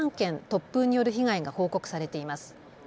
突風による被害が報告されています。